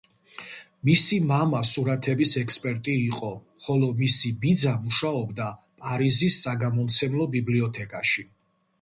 მისი მამა სურათების ექსპერტი იყო, ხოლო მისი ბიძა მუშაობდა პარიზის საგამომცემლო ბიბლიოთეკაში.